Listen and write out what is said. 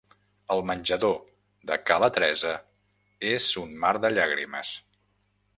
El menjador de ca la Teresa és un mar de llàgrimes.